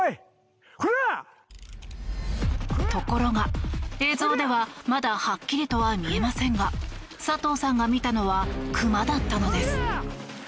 ところが、映像ではまだはっきりとは見えませんが佐藤さんが見たのは熊だったのです。